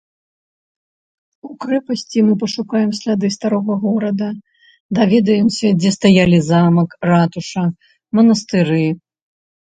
У крэпасці мы пашукаем сляды старога горада, даведаемся, дзе стаялі замак, ратуша, манастыры.